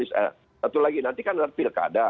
satu lagi nanti kan adalah pilkada